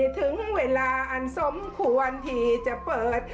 ถึงเวลาอันสมควรที่จะเปิด